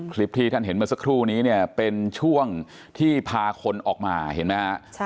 คลิปที่ท่านเห็นเมื่อสักครู่นี้เนี่ยเป็นช่วงที่พาคนออกมาเห็นไหมฮะ